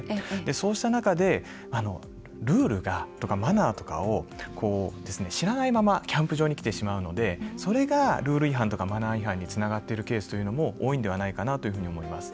そうした中でルールとかマナーとかを知らないままキャンプ場に来てしまうのでそれがルール違反やマナー違反につながっているケースも多いんではないかなと思います。